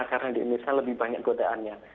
karena di indonesia lebih banyak godaannya